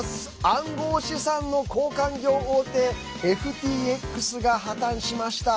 暗号資産の交換業大手ＦＴＸが破綻しました。